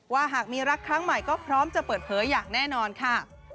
หากมีรักครั้งใหม่ก็พร้อมจะเปิดเผยอย่างแน่นอนค่ะ